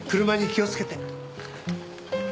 車に気をつけて。